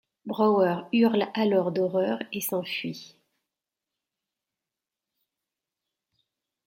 Brower hurle alors d'horreur et s'enfuit.